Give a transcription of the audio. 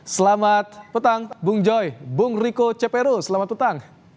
selamat petang bung joy bung riko ceperu selamat petang